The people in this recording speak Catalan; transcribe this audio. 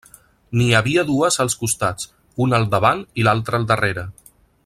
N'hi havia dues als costats, una al davant i l'altra al darrere.